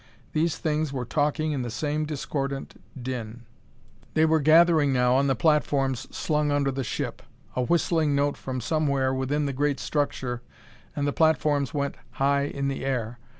These things were talking in the same discordant din. They were gathering now on the platforms slung under the ship. A whistling note from somewhere within the great structure and the platforms went high in the air.